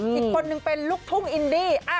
อีกคนนึงเป็นลูกทุ่งอินดี้